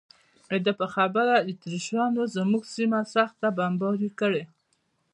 د ده په خبره اتریشیانو زموږ سیمه سخته بمباري کړې.